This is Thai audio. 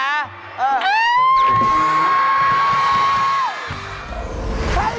อ้าว